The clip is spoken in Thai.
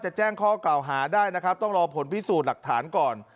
แจ้งข้อกล่าวหาได้นะครับต้องรอผลพิสูจน์หลักฐานก่อน